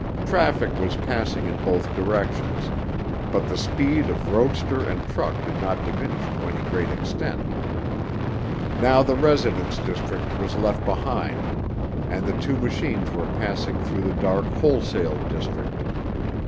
Traffic was passing in both directions, but the speed of roadster and truck did not diminish to any great extent. Now the residence district was left behind, and the two machines were passing through the dark wholesale district.